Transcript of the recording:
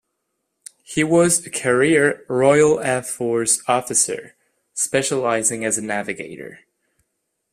He was a career Royal Air Force officer, specialising as a navigator.